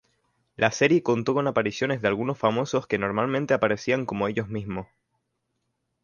La serie contó con apariciones de algunos famosos que normalmente aparecían como ellos mismos.